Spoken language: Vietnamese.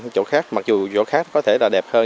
chỗ khác mặc dù chỗ khác có thể là đẹp hơn